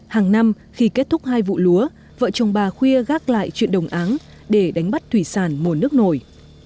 hàng năm khi kết thúc hai vụ lúa vợ chồng bà khuya gác lại chuyện đồng án để đánh bắt thủy sản mùa nước nổi